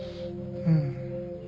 うん。